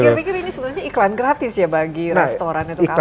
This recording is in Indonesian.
nah itu pikir pikir ini sebenarnya iklan gratis ya bagi restoran itu cafe itu